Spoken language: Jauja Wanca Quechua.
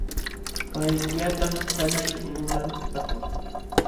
Payllaytam hanay ulquman apakun.